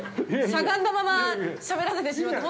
◆しゃがんだまましゃべらせてしまって。